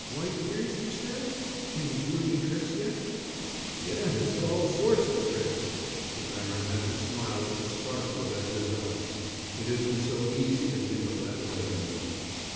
White ears, you said? Can he do any tricks yet?" "Yes, all sorts of tricks." The baron had to smile at the sparkle of Edgar's eyes. It had been so easy to kindle that light in them.